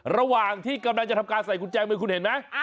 ระหว่างที่กำลังจะทำการใส่กุญแจมือคุณเห็นไหม